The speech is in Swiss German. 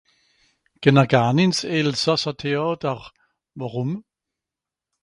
Gehn'r garn ìns s'Elsàsser Theàter? Wàrum?